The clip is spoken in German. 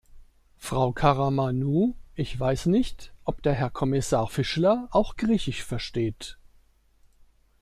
Frau Karamanou, ich weiß nicht, ob der Herr Kommissar Fischler auch Griechisch versteht.